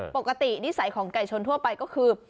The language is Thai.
นิสัยของไก่ชนทั่วไปก็คือ